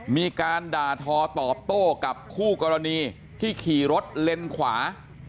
มีการด่าทอตอบโต้กับคู่กรณีที่ขี่รถเลนขวา